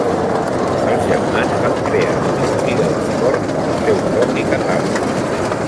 Els germans van crear una botiga d'esport amb el seu propi catàleg.